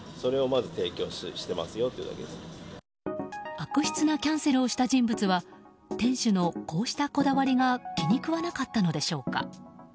悪質なキャンセルをした人物は店主のこうしたこだわりが気に食わなかったのでしょうか。